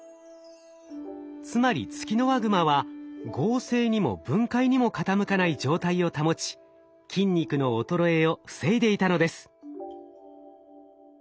つまりツキノワグマは合成にも分解にも傾かない状態を保ち筋肉の衰えを防いでいたのです。